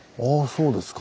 そうですか。